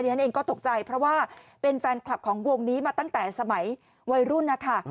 ฉันเองก็ตกใจเพราะว่าเป็นแฟนคลับของวงนี้มาตั้งแต่สมัยวัยรุ่นนะคะ